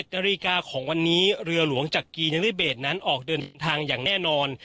นาฬิกาของวันนี้เรือหลวงจักรีนริเบสนั้นออกเดินทางอย่างแน่นอน